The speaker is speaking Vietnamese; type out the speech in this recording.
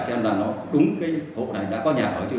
xem là nó đúng cái hộ này đã có nhà ở chứ